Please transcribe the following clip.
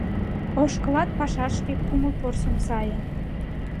Ошкылат пашашке — Кумыл порсын, сае.